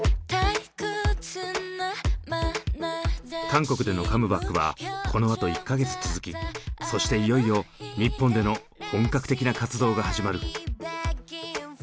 韓国でのカムバックはこのあと１か月続きそしていよいよ日本での本格的な活動が始まる。